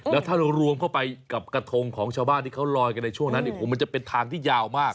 แล้วถ้ารวมเข้าไปกับกระทงของชาวบ้านที่เขาลอยกันในช่วงนั้นโอ้โหมันจะเป็นทางที่ยาวมาก